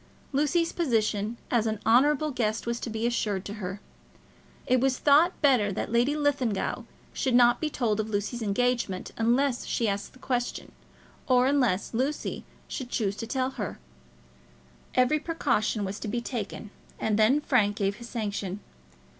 Lucy's position as an honourable guest was to be assured to her. It was thought better that Lady Linlithgow should not be told of Lucy's engagement unless she asked questions; or unless Lucy should choose to tell her. Every precaution was to be taken, and then Frank gave his sanction.